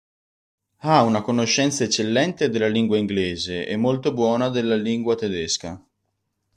Ha una conoscenza eccellente della lingua inglese e molto buona della lingua tedesca.